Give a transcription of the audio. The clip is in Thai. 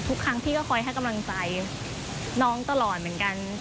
ทุกครั้งพี่ก็คอยให้กำลังใจน้องตลอดเหมือนกัน